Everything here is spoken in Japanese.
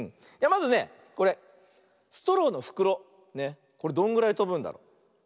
まずねこれストローのふくろこれどんぐらいとぶんだろう。